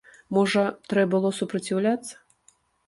Можа, трэ было супраціўляцца?